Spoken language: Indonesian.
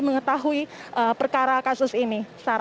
mengetahui perkara kasus ini